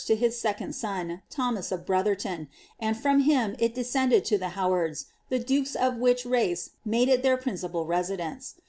to his second son, Thomas of Brotfaertoik aal from him it descended to the Howards, the dukea of which lace made it their principal residence.